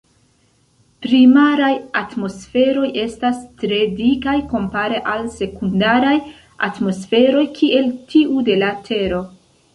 Primaraj atmosferoj estas tre dikaj kompare al sekundaraj atmosferoj kiel tiu de la Tero.